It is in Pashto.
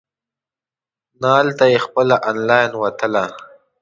نه هلته یې خپله انلاین وتله.